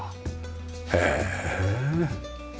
へえ。